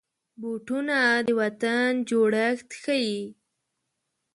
بوټونه د وطن جوړښت ښيي.